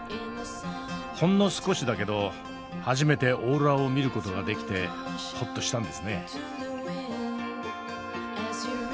ほんの少しだけど初めてオーロラを見る事ができてほっとしたんですね。